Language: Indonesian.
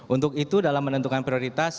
untuk itu dalam menentukan prioritas